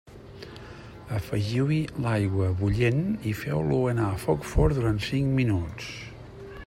Afegiu-hi l'aigua bullent i feu-lo anar a foc fort durant cinc minuts.